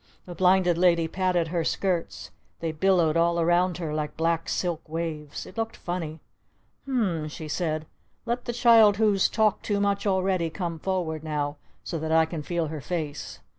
The Blinded Lady patted her skirts. They billowed all around her like black silk waves. It looked funny. "H m m mmm!" she said. "Let the Child Who's Talked Too Much Already come forward now so that I can feel her face!"